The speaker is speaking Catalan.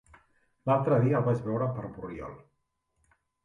L'altre dia el vaig veure per Borriol.